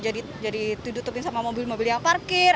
jadi ditutupin sama mobil mobil yang parkir